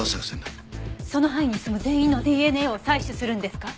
その範囲に住む全員のＤＮＡを採取するんですか？